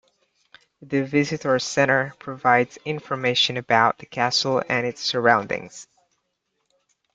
A visitors centre provides information about the castle and its surroundings.